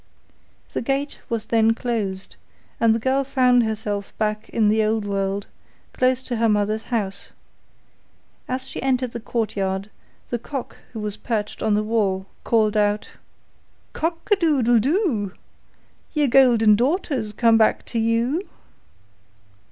The gate was then closed, and the girl found herself back in the old world close to her mother's house. As she entered the courtyard, the cock who was perched on the well, called out: 'Cock a doodle doo! Your golden daughter's come back to you.